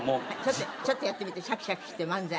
ちょっとやってみてシャキシャキして漫才。